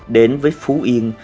đến với phú yên